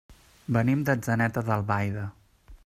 Venim d'Atzeneta d'Albaida.